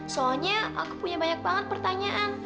soalnya aku punya banyak banget pertanyaan